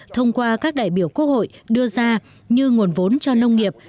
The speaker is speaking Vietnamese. thông qua các đại biểu quốc hội đưa ra như nguồn vốn cho nông nghiệp